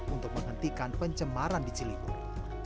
untuk menghentikan pencemaran di ciliwung